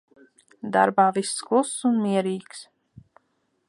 Darbā viss kluss un mierīgs.